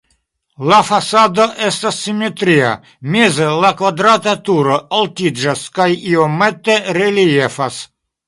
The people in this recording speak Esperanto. La fasado estas simetria, meze la kvadrata turo altiĝas kaj iomete reliefas.